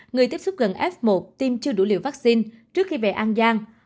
người tiếp xúc gần f một tiêm chưa đủ liều vaccine trước khi về an giang